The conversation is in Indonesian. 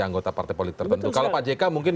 anggota partai politik tertentu kalau pak jk mungkin